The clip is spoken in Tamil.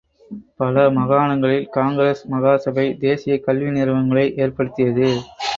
பல மாகாணங்களில் காங்கிரஸ் மகா சபை தேசியக் கல்வி நிறுவனங்களை ஏற்படுத்தியது.